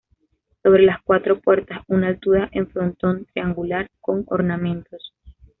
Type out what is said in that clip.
Sobre las cuatro puertas una altura en frontón triangular, con ornamentos.